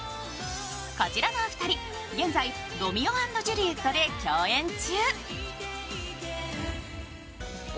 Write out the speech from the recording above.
こちらのお二人、現在、「ロミオ＆ジュリエット」で共演中。